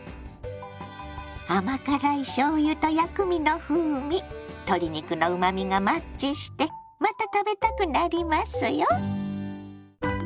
甘辛いしょうゆと薬味の風味鶏肉のうまみがマッチしてまた食べたくなりますよ。